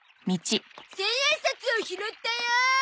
千円札を拾ったよ！